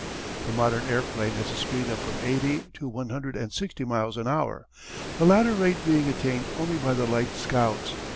The modern airplane has a speed of from eighty to one hundred and sixty miles an hour the latter rate being attained only by the light scouts.